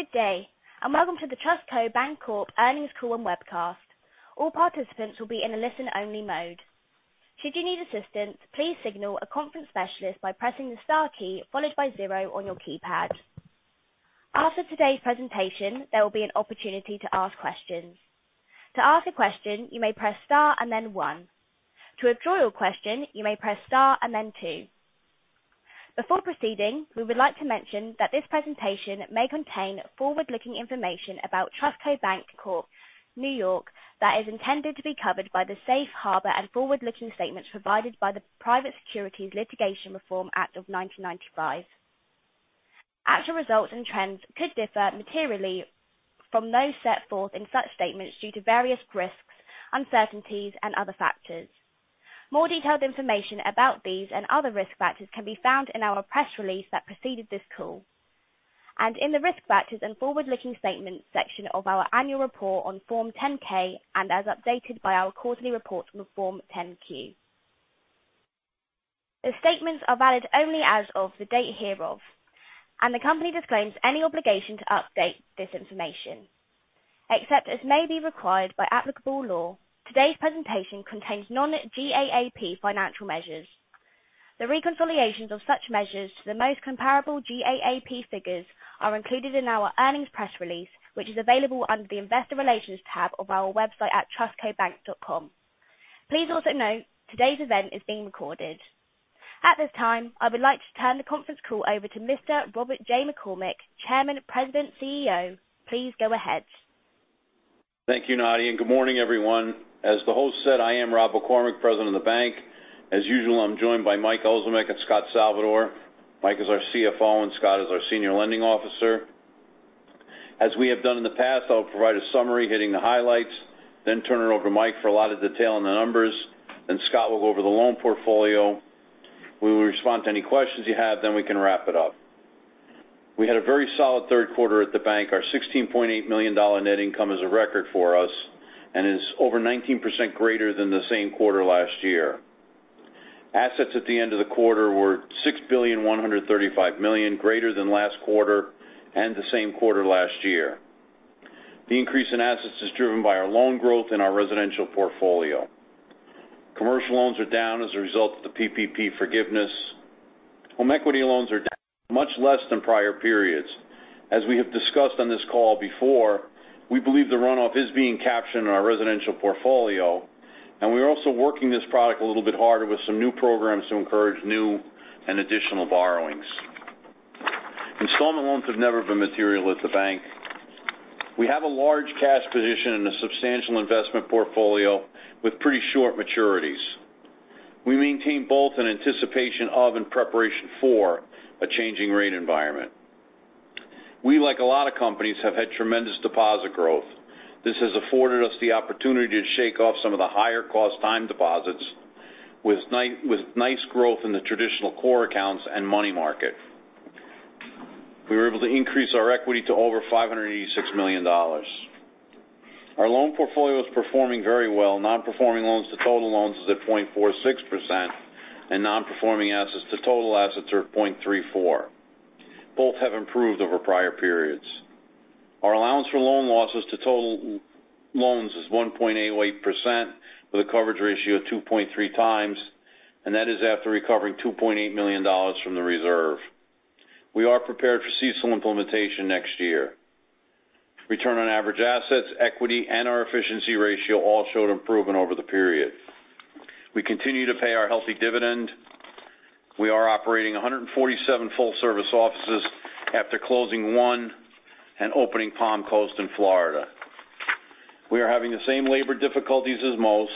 Good day, and welcome to the TrustCo Bank Corp Earnings Call and Webcast. All participants will be in a listen-only mode. Should you need assistance, please signal a conference specialist by pressing the star key followed by zero on your keypad. After today's presentation, there will be an opportunity to ask questions. To ask a question, you may press star and then one. To withdraw your question, you may press star and then two. Before proceeding, we would like to mention that this presentation may contain forward-looking information about TrustCo Bank Corp N.Y. that is intended to be covered by the safe harbor and forward-looking statements provided by the Private Securities Litigation Reform Act of 1995. Actual results and trends could differ materially from those set forth in such statements due to various risks, uncertainties, and other factors. More detailed information about these and other risk factors can be found in our press release that preceded this call, in the risk factors and forward-looking statements section of our annual report on Form 10-K, and as updated by our quarterly reports on the Form 10-Q. The statements are valid only as of the date hereof, the company disclaims any obligation to update this information, except as may be required by applicable law. Today's presentation contains non-GAAP financial measures. The reconciliations of such measures to the most comparable GAAP figures are included in our earnings press release, which is available under the investor relations tab of our website at trustcobank.com. Please also note today's event is being recorded. At this time, I would like to turn the conference call over to Mr. Robert J. McCormick, Chairman, President, CEO. Please go ahead. Thank you, Nadia. Good morning, everyone. As the host said, I am Rob McCormick, President of the bank. As usual, I'm joined by Mike Ozimek and Scot Salvador. Mike is our CFO, and Scot is our Senior Lending Officer. As we have done in the past, I'll provide a summary hitting the highlights, then turn it over to Mike for a lot of detail on the numbers, then Scot will go over the loan portfolio. We will respond to any questions you have, then we can wrap it up. We had a very solid third quarter at the bank. Our $16.8 million net income is a record for us and is over 19% greater than the same quarter last year. Assets at the end of the quarter were $6.135 billion, greater than last quarter and the same quarter last year. The increase in assets is driven by our loan growth in our residential portfolio. Commercial loans are down as a result of the PPP forgiveness. Home equity loans are down much less than prior periods. As we have discussed on this call before, we believe the runoff is being captured in our residential portfolio, and we are also working this product a little bit harder with some new programs to encourage new and additional borrowings. Installment loans have never been material at the bank. We have a large cash position and a substantial investment portfolio with pretty short maturities. We maintain both in anticipation of and preparation for a changing rate environment. We, like a lot of companies, have had tremendous deposit growth. This has afforded us the opportunity to shake off some of the higher cost time deposits with nice growth in the traditional core accounts and money market. We were able to increase our equity to over $586 million. Our loan portfolio is performing very well. Non-performing loans to total loans is at 0.46%, and non-performing assets to total assets are 0.34%. Both have improved over prior periods. Our allowance for loan losses to total loans is 1.88% with a coverage ratio of 2.3x, and that is after recovering $2.8 million from the reserve. We are prepared for CECL implementation next year. Return on average assets, equity, and our efficiency ratio all showed improvement over the period. We continue to pay our healthy dividend. We are operating 147 full-service offices after closing 1 and opening Palm Coast in Florida. We are having the same labor difficulties as most.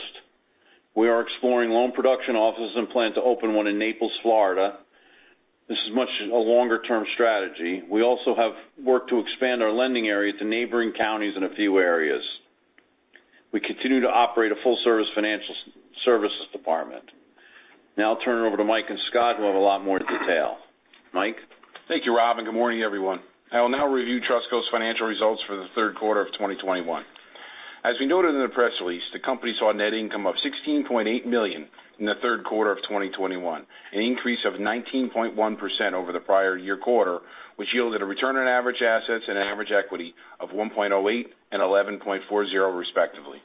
We are exploring loan production offices and plan to open one in Naples, Florida. This is much a longer-term strategy. We also have worked to expand our lending area to neighboring counties in a few areas. We continue to operate a full-service financial services department. Now I'll turn it over to Mike and Scot who have a lot more detail. Mike? Thank you, Rob, and good morning, everyone. I will now review TrustCo's financial results for the third quarter of 2021. As we noted in the press release, the company saw a net income of $16.8 million in the third quarter of 2021, an increase of 19.1% over the prior year quarter, which yielded a return on average assets and average equity of 1.08% and 11.40% respectively.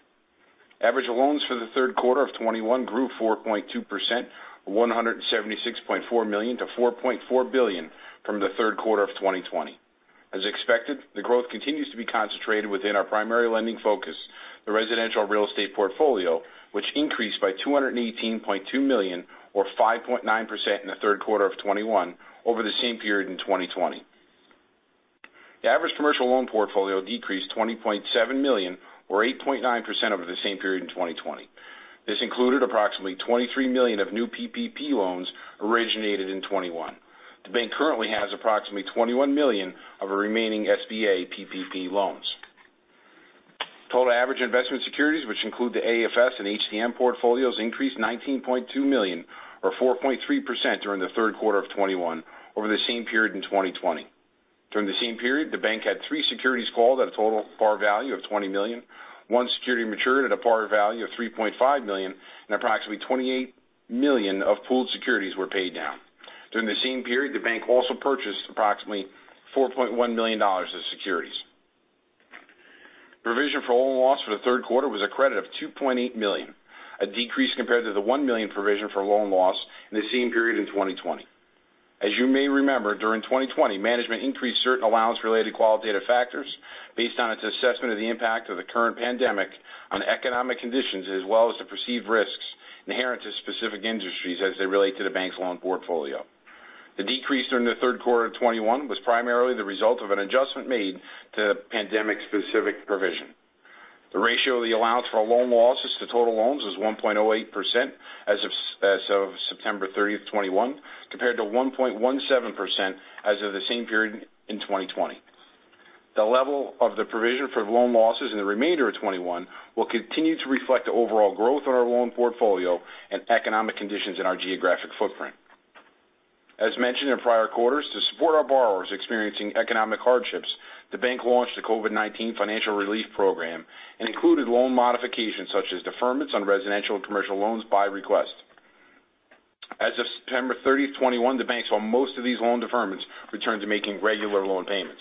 Average loans for the third quarter of 2021 grew 4.2%, $176.4 million to $4.4 billion from the third quarter of 2020. As expected, the growth continues to be concentrated within our primary lending focus, the residential real estate portfolio, which increased by $218.2 million or 5.9% in the third quarter of 2021 over the same period in 2020. The average commercial loan portfolio decreased $20.7 million or 8.9% over the same period in 2020. This included approximately $23 million of new PPP loans originated in 2021. The bank currently has approximately $21 million of remaining SBA PPP loans. Total average investment securities, which include the AFS and HTM portfolios, increased $19.2 million or 4.3% during the third quarter of 2021 over the same period in 2020. During the same period, the bank had three securities called at a total par value of $20 million. One security matured at a par value of $3.5 million and approximately $28 million of pooled securities were paid down. During the same period, the bank also purchased approximately $4.1 million of securities. Provision for loan loss for the third quarter was a credit of $2.8 million, a decrease compared to the $1 million provision for loan loss in the same period in 2020. As you may remember, during 2020, management increased certain allowance related qualitative factors based on its assessment of the impact of the current pandemic on economic conditions, as well as the perceived risks inherent to specific industries as they relate to the bank's loan portfolio. The decrease during the third quarter of 2021 was primarily the result of an adjustment made to pandemic-specific provision. The ratio of the allowance for loan losses to total loans was 1.08% as of September 30th, 2021, compared to 1.17% as of the same period in 2020. The level of the provision for loan losses in the remainder of 2021 will continue to reflect the overall growth in our loan portfolio and economic conditions in our geographic footprint. As mentioned in prior quarters, to support our borrowers experiencing economic hardships, the bank launched the COVID-19 Financial Relief Program and included loan modifications such as deferments on residential and commercial loans by request. As of September 30th, 2021, the bank saw most of these loan deferments return to making regular loan payments.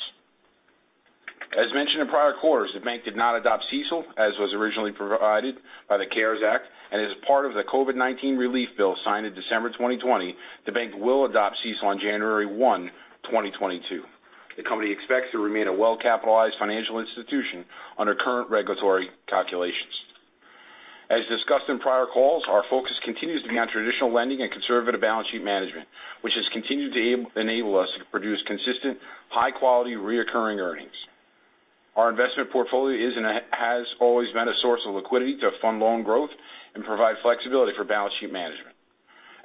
As mentioned in prior quarters, the bank did not adopt CECL as was originally provided by the CARES Act. As part of the COVID-19 relief bill signed in December 2020, the bank will adopt CECL on January 1st, 2022. The company expects to remain a well-capitalized financial institution under current regulatory calculations. As discussed in prior calls, our focus continues to be on traditional lending and conservative balance sheet management, which has continued to enable us to produce consistent, high-quality, recurring earnings. Our investment portfolio is and has always been a source of liquidity to fund loan growth and provide flexibility for balance sheet management.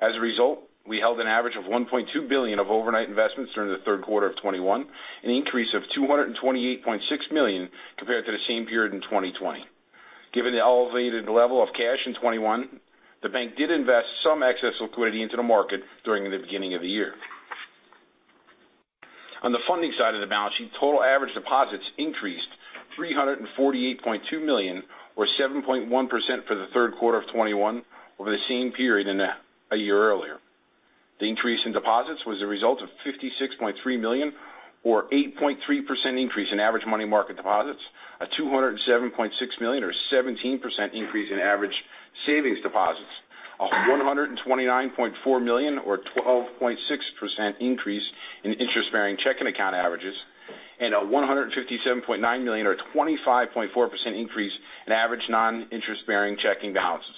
As a result, we held an average of $1.2 billion of overnight investments during the third quarter of 2021, an increase of $228.6 million compared to the same period in 2020. Given the elevated level of cash in 2021, the bank did invest some excess liquidity into the market during the beginning of the year. On the funding side of the balance sheet, total average deposits increased $348.2 million or 7.1% for the third quarter of 2021 over the same period a year earlier. The increase in deposits was a result of $56.3 million or 8.3% increase in average money market deposits, a $207.6 million or 17% increase in average savings deposits, a $129.4 million or 12.6% increase in interest-bearing checking account averages, and a $157.9 million or 25.4% increase in average non-interest-bearing checking balances.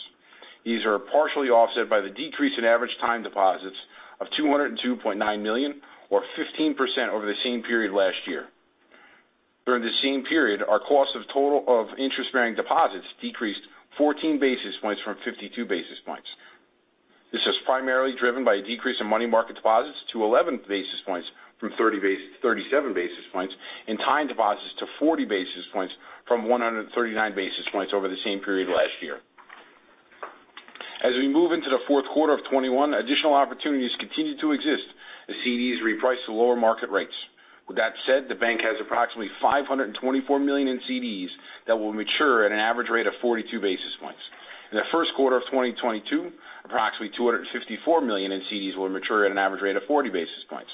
These are partially offset by the decrease in average time deposits of $202.9 million or 15% over the same period last year. During the same period, our cost of interest-bearing deposits decreased 14 basis points from 52 basis points. This is primarily driven by a decrease in money market deposits to 11 basis points from 37 basis points, and time deposits to 40 basis points from 139 basis points over the same period last year. As we move into the fourth quarter of 2021, additional opportunities continue to exist as CDs reprice to lower market rates. With that said, the bank has approximately $524 million in CDs that will mature at an average rate of 42 basis points. In the first quarter of 2022, approximately $254 million in CDs will mature at an average rate of 40 basis points.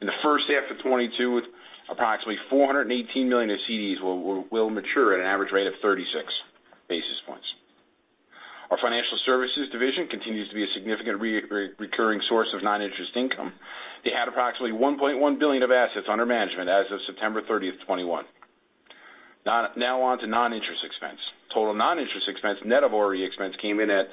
In the first half of 2022, approximately $418 million of CDs will mature at an average rate of 36 basis points. Our financial services division continues to be a significant recurring source of non-interest income. They had approximately $1.1 billion of assets under management as of September 30, 2021. On to non-interest expense. Total non-interest expense net of ORE expense came in at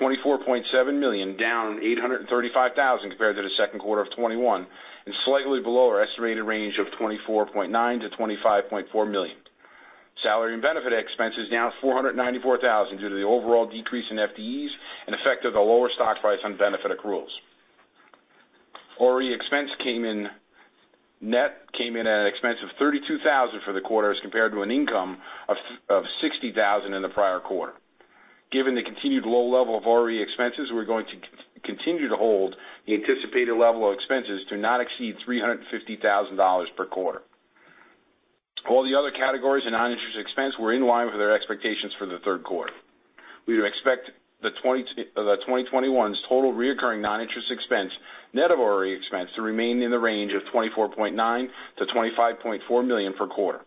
$24.7 million, down $835,000 compared to the second quarter of 2021, and slightly below our estimated range of $24.9 million-$25.4 million. Salary and benefit expense is down $494,000 due to the overall decrease in FTEs and effect of the lower stock price on benefit accruals. ORE expense net came in at an expense of $32,000 for the quarter as compared to an income of $60,000 in the prior quarter. Given the continued low level of ORE expenses, we're going to continue to hold the anticipated level of expenses to not exceed $350,000 per quarter. All the other categories in non-interest expense were in line with their expectations for the third quarter. We would expect the 2021's total reoccurring non-interest expense net of ORE expense to remain in the range of $24.9 million-$25.4 million per quarter.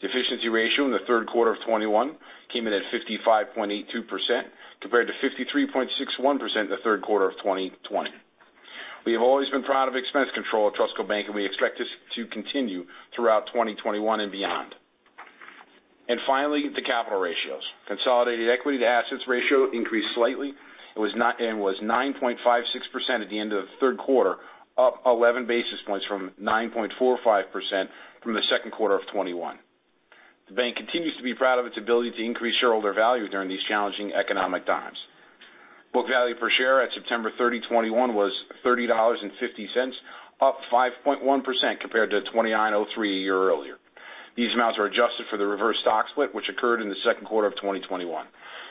The efficiency ratio in the third quarter of 2021 came in at 55.82%, compared to 53.61% in the third quarter of 2020. We have always been proud of expense control at TrustCo Bank, and we expect this to continue throughout 2021 and beyond. Finally, the capital ratios. Consolidated equity-to-assets ratio increased slightly and was 9.56% at the end of the third quarter, up 11 basis points from 9.45% from the second quarter of 2021. The bank continues to be proud of its ability to increase shareholder value during these challenging economic times. Book value per share at September 30, 2021 was $30.50, up 5.1% compared to $29.03 a year earlier. These amounts are adjusted for the reverse stock split which occurred in the second quarter of 2021.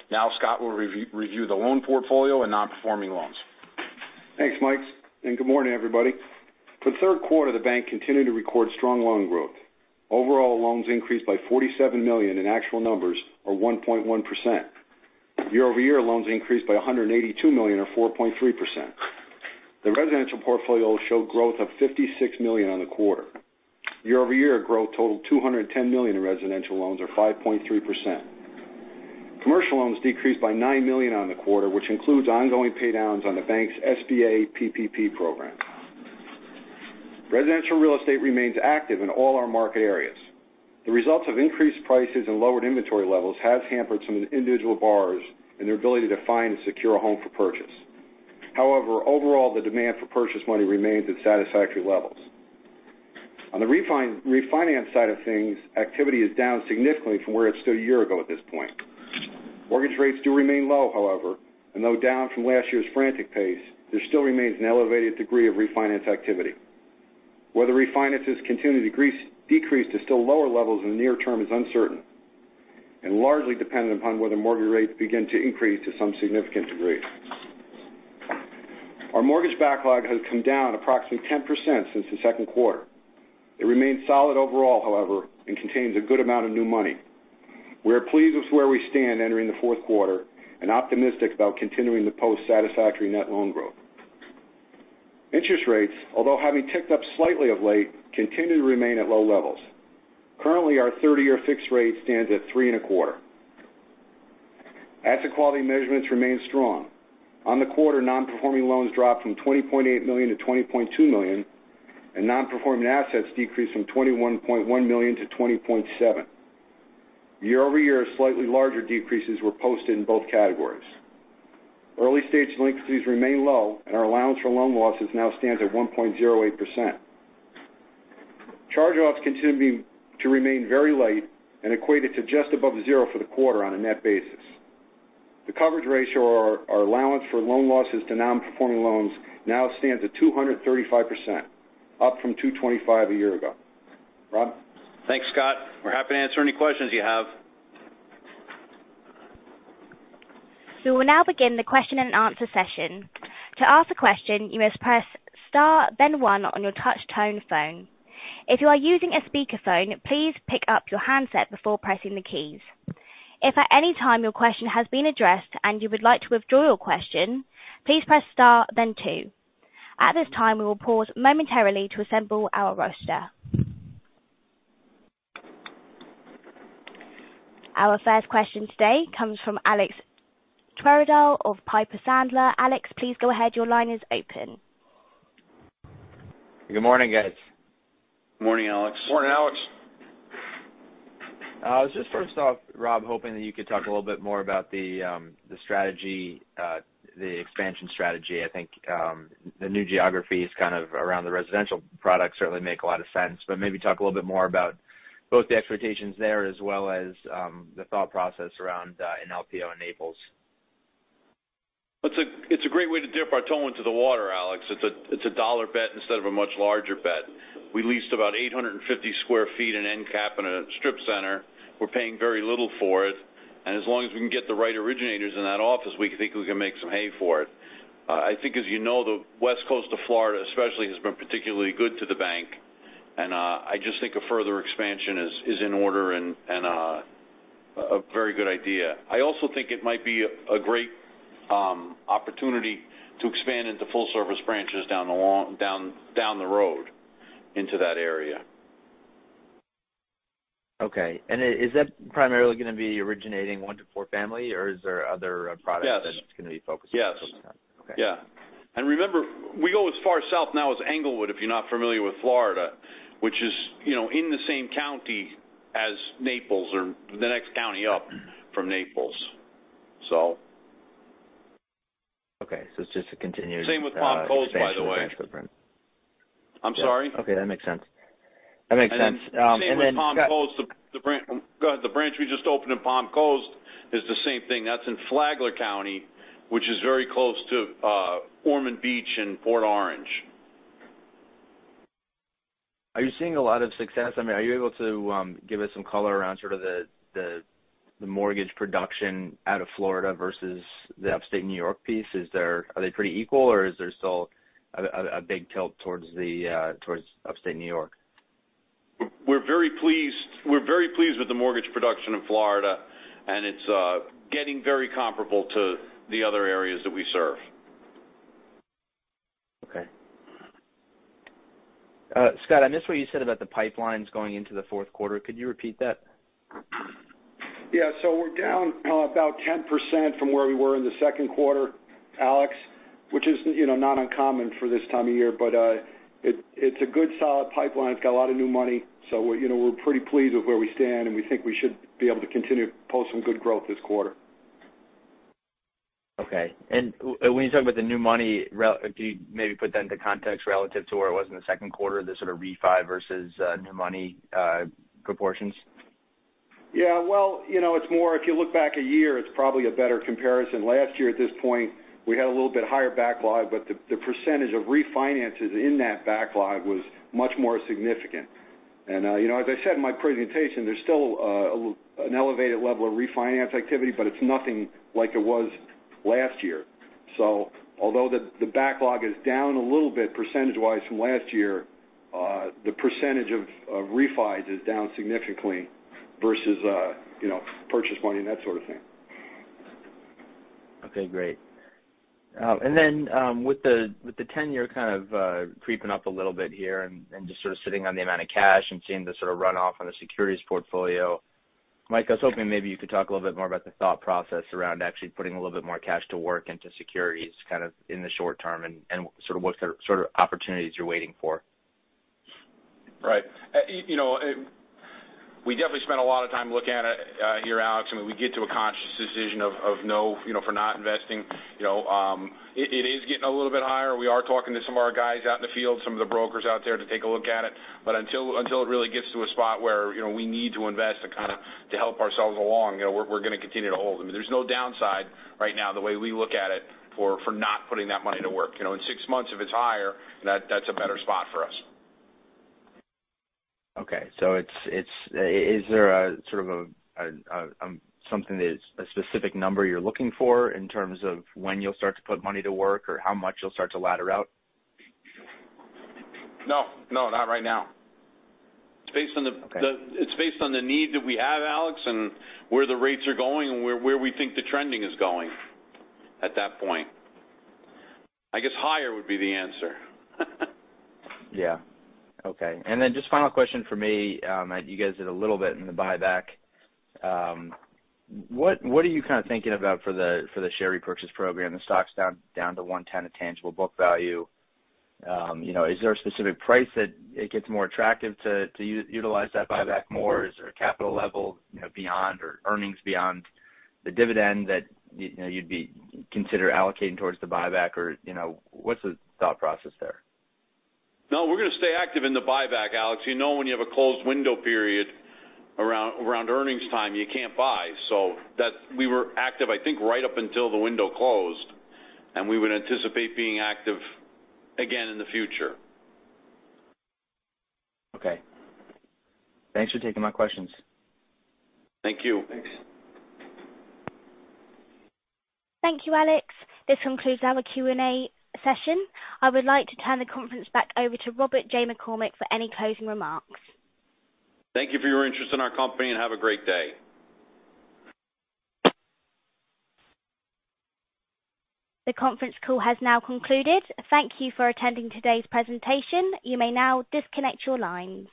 Now Scot will review the loan portfolio and non-performing loans. Thanks, Mike. Good morning, everybody. For the third quarter, the bank continued to record strong loan growth. Overall loans increased by $47 million in actual numbers, or 1.1%. Year-over-year, loans increased by $182 million, or 4.3%. The residential portfolio showed growth of $56 million on the quarter. Year-over-year growth totaled $210 million in residential loans, or 5.3%. Commercial loans decreased by $9 million on the quarter, which includes ongoing paydowns on the bank's SBA PPP program. Residential real estate remains active in all our market areas. The results of increased prices and lowered inventory levels has hampered some individual borrowers in their ability to find and secure a home for purchase. However, overall, the demand for purchase money remains at satisfactory levels. On the refinance side of things, activity is down significantly from where it stood a year ago at this point. Mortgage rates do remain low, however, and though down from last year's frantic pace, there still remains an elevated degree of refinance activity. Whether refinances continue to decrease to still lower levels in the near term is uncertain and largely dependent upon whether mortgage rates begin to increase to some significant degree. Our mortgage backlog has come down approximately 10% since the second quarter. It remains solid overall, however, and contains a good amount of new money. We are pleased with where we stand entering the fourth quarter and optimistic about continuing to post satisfactory net loan growth. Interest rates, although having ticked up slightly of late, continue to remain at low levels. Currently, our 30-year fixed rate stands at three and a quarter. Asset quality measurements remain strong. On the quarter, non-performing loans dropped from $20.8 million to $20.2 million, and non-performing assets decreased from $21.1 million to $20.7 million. Year-over-year, slightly larger decreases were posted in both categories. Early stage delinquencies remain low, and our allowance for loan losses now stands at 1.08%. Charge-offs continue to remain very light and equated to just above zero for the quarter on a net basis. The coverage ratio or our allowance for loan losses to non-performing loans now stands at 235%, up from 225% a year ago. Rob? Thanks, Scot. We're happy to answer any questions you have. We will now begin the question and answer session. To ask a question, you must press star one on your touch tone phone. If you are using a speakerphone, please pick up your handset before pressing the keys. If at any time your question has been addressed and you would like to withdraw your question, please press star two. At this time, we will pause momentarily to assemble our roster. Our first question today comes from Alex Twerdahl of Piper Sandler. Alex, please go ahead. Your line is open. Good morning, guys. Morning, Alex. Morning, Alex. Just first off, Rob, hoping that you could talk a little bit more about the expansion strategy. I think the new geographies around the residential products certainly make a lot of sense. Maybe talk a little bit more about both the expectations there as well as the thought process around in LPO and Naples. It's a great way to dip our toe into the water, Alex. It's a $1 bet instead of a much larger bet. We leased about 850 sq ft an end cap in a strip center. We're paying very little for it. As long as we can get the right originators in that office, we think we can make some hay for it. I think as you know, the West Coast of Florida especially has been particularly good to the bank, and I just think a further expansion is in order and a very good idea. I also think it might be a great opportunity to expand into full service branches down the road into that area. Okay. Is that primarily going to be originating 1-4 family, or is there other products? Yes that it's going to be focusing on? Yes. Okay. Yeah. Remember, we go as far south now as Englewood, if you're not familiar with Florida, which is in the same county as Naples or the next county up from Naples. Okay. Same with Palm Coast, by the way. expansion. I'm sorry? Okay, that makes sense. Same with Palm Coast. Scot- Go ahead. The branch we just opened in Palm Coast is the same thing. That's in Flagler County, which is very close to Ormond Beach and Port Orange. Are you seeing a lot of success? Are you able to give us some color around the mortgage production out of Florida versus the Upstate New York piece? Are they pretty equal, or is there still a big tilt towards Upstate New York? We're very pleased with the mortgage production in Florida, and it's getting very comparable to the other areas that we serve. Okay. Scot, I missed what you said about the pipelines going into the fourth quarter. Could you repeat that? We're down about 10% from where we were in the second quarter, Alex, which is not uncommon for this time of year. It's a good, solid pipeline. It's got a lot of new money. We're pretty pleased with where we stand, and we think we should be able to continue to post some good growth this quarter. Okay. When you talk about the new money, could you maybe put that into context relative to where it was in the second quarter, the sort of refi versus new money proportions? Yeah. Well, if you look back a year, it's probably a better comparison. Last year at this point, we had a little bit higher backlog, but the percentage of refinances in that backlog was much more significant. As I said in my presentation, there's still an elevated level of refinance activity, but it's nothing like it was last year. Although the backlog is down a little bit percentage-wise from last year, the percentage of refis is down significantly versus purchase money and that sort of thing. Okay, great. With the 10-year creeping up a little bit here and just sort of sitting on the amount of cash and seeing the sort of runoff on the securities portfolio, Mike, I was hoping maybe you could talk a little bit more about the thought process around actually putting a little bit more cash to work into securities kind of in the short term and sort of what sort of opportunities you're waiting for. Right. We definitely spent a lot of time looking at it here, Alex, and we get to a conscious decision of no, for not investing. It is getting a little bit higher. We are talking to some of our guys out in the field, some of the brokers out there to take a look at it. Until it really gets to a spot where we need to invest to help ourselves along, we're going to continue to hold. I mean, there's no downside right now the way we look at it for not putting that money to work. In six months, if it's higher, that's a better spot for us. Is there a sort of a specific number you're looking for in terms of when you'll start to put money to work or how much you'll start to ladder out? No, not right now. It's based on the need that we have, Alex, and where the rates are going and where we think the trending is going at that point. I guess higher would be the answer. Yeah. Okay. Just final question for me, you guys did a little bit in the buyback. What are you kind of thinking about for the share repurchase program? The stock's down to 1.10 of tangible book value. Is there a specific price that it gets more attractive to utilize that buyback more? Is there a capital level beyond or earnings beyond the dividend that you'd consider allocating towards the buyback or what's the thought process there? We're going to stay active in the buyback, Alex. You know when you have a closed window period around earnings time, you can't buy. We were active, I think, right up until the window closed, and we would anticipate being active again in the future. Okay. Thanks for taking my questions. Thank you. Thanks. Thank you, Alex. This concludes our Q&A session. I would like to turn the conference back over to Robert J. McCormick for any closing remarks. Thank you for your interest in our company, and have a great day. The conference call has now concluded. Thank you for attending today's presentation. You may now disconnect your lines.